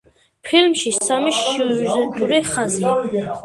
ფილმში სამი სიუჟეტური ხაზია.